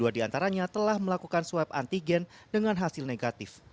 satu ratus lima puluh dua diantaranya telah melakukan swab antigen dengan hasil negatif